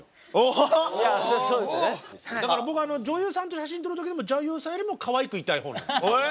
だから僕女優さんと写真撮る時でも女優さんよりもかわいくいたい方なんです。